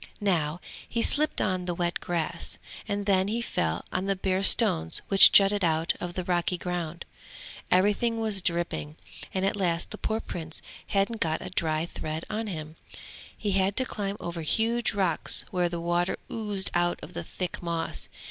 Now he slipped on the wet grass, and then he fell on the bare stones which jutted out of the rocky ground. Everything was dripping, and at last the poor Prince hadn't got a dry thread on him. He had to climb over huge rocks where the water oozed out of the thick moss.